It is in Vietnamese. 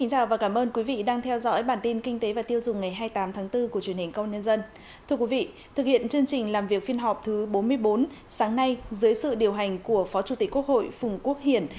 các bạn hãy đăng ký kênh để ủng hộ kênh của chúng mình nhé